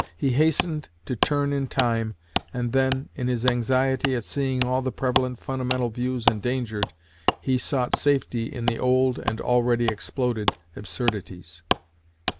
He hastened to turn in time, and then, in his anxiety at seeing all the prevalent fundamental views endangered, he sought safety in the old and already exploded absurdities.